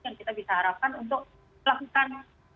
yang kita bisa harapkan untuk melakukan